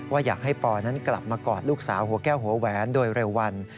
อยากให้ปอนั้นกลับมากอดลูกสาวหัวแก้วหัวแหวนโดยเร็ววัน